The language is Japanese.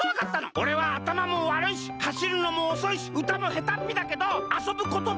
おれはあたまもわるいしはしるのもおそいしうたもへたっぴだけどあそぶことだけはとくいだからさ！